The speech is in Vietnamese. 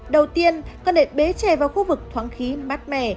đầu tiên cần để bế trẻ vào khu vực thoáng khí mát mẻ